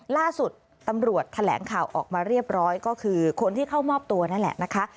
ล่าสุดตำรวจแถลงข่าวออกมาเรียบร้อยก็คือคนที่เข้ามอบตัวนั่นแหละนะคะ